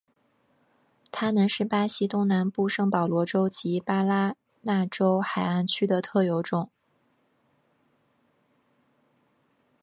它们是巴西东南部圣保罗州及巴拉那州海岸区的特有种。